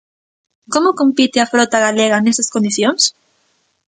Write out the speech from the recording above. ¿Como compite a frota galega nesas condicións?